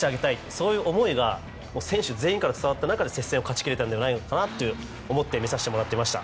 そういう思いが選手全員から伝わった中で接戦を勝ちきれたんじゃないかなと思って挙げさせていただきました。